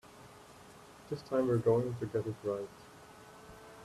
This time we're going to get it right.